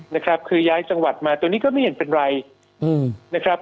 นะครับคือย้ายจังหวัดมาตัวนี้ก็ไม่เห็นเป็นไรอืมนะครับ